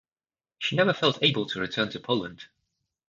She never felt able to return to Poland.